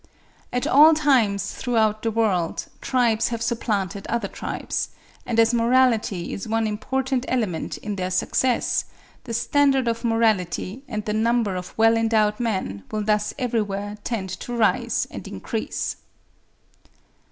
At all times throughout the world tribes have supplanted other tribes; and as morality is one important element in their success, the standard of morality and the number of well endowed men will thus everywhere tend to rise and increase.